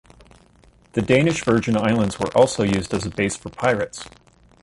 The Danish Virgin Islands were also used as a base for pirates.